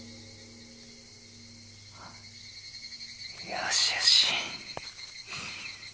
よしよし。